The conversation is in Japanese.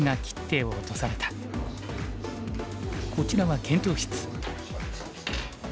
こちらは検討室。